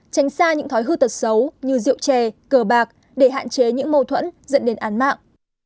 tránh xa những thói hư tật xấu như rượu chè cờ bạc để hạn chế những mâu thuẫn dẫn đến án mạng